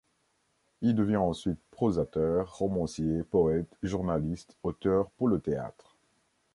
Il devient ensuite prosateur, romancier, poète, journaliste, auteur pour le théâtre.